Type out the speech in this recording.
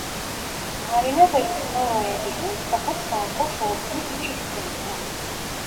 Marina da ısmarlayabilir, fakat sarhoş olmamı hiç istemiyor.